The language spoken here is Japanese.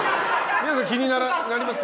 皆さん、気になりますか？